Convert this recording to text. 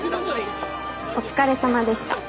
お疲れさまでした。